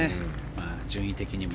順位的にも。